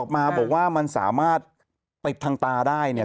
มาบอกว่ามันสามารถปิดทางตาได้เนี่ย